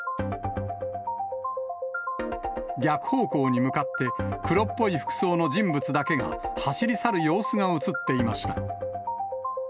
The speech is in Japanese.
逆方向に向かって、黒っぽい服装の人物だけが走り去る様子が写っていました。